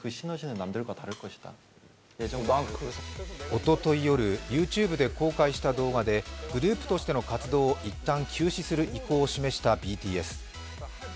おととい夜、ＹｏｕＴｕｂｅで公開した動画でグループとしての活動を一旦休止する意向を示したＢＴＳ。